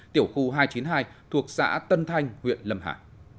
tiểu khu hai trăm chín mươi hai thuộc xã tân thanh huyện lâm hà